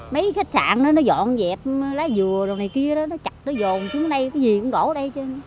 mấy khách sạn đó nó dọn dẹp lá dừa rồi này kia đó nó chặt nó dồn xuống đây cái gì cũng đổ ở đây